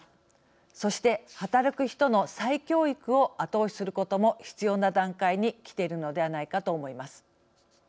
そして、働く人の再教育を後押しすることも必要な段階にきているのではないかと思います。